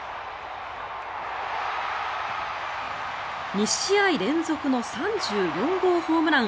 ２試合連続の３４号ホームラン。